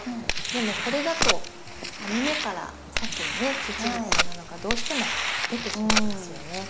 でもこれだと網目からさっきのね土みたいなのがどうしても出てしまいますよね。